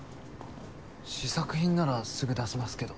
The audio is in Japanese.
試作品ならすぐ出せますけど。